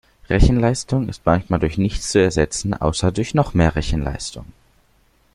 Rechenleistung ist manchmal durch nichts zu ersetzen, außer durch noch mehr Rechenleistung.